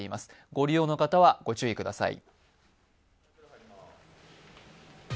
ご利用の方はご注意ください。